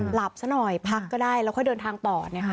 หลับซะหน่อยพักก็ได้แล้วค่อยเดินทางต่อนะคะ